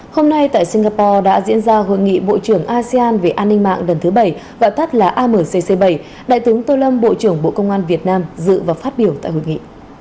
hôm nay tại singapore đã diễn ra hội nghị bộ trưởng asean về an ninh mạng lần thứ bảy gọi tắt là amcc bảy đại tướng tô lâm bộ trưởng bộ công an việt nam dự và phát biểu tại hội nghị